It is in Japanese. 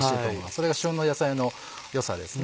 それが旬の野菜の良さですね。